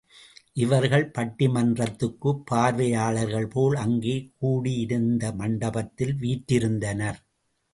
இவர்கள் பட்டிமன்றத்துப் பார்வையாளர்கள் போல் அங்கே கட்டியிருந்த மண்டபத்தில் வீற்றிருந்தனர்.